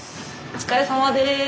お疲れさまです。